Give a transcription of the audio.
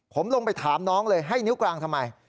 ผมลงไปถามน้องเลยให้นิ้วกลางทำไม